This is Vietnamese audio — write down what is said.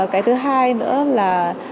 cái thứ hai nữa là